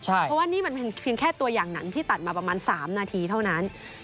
เพราะว่านี่มันเป็นเพียงแค่ตัวอย่างหนังที่ตัดมาประมาณ๓นาทีเท่านั้น